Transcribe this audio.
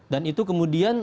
dan itu kemudian